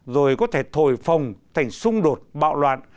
rồi có thể thổi phòng thành xung đột bạo loạn